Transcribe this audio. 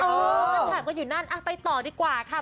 คำถามก็อยู่นั่นไปต่อดีกว่าค่ะ